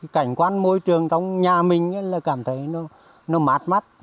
cảnh quan môi trường trong nhà mình là cảm thấy nó mát